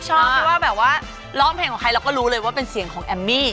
ชอบที่ว่าแบบว่าร้องเพลงของใครเราก็รู้เลยว่าเป็นเสียงของแอมมี่